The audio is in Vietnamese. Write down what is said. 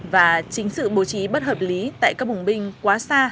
và chính sự bố trí bất hợp lý tại các vùng binh quá xa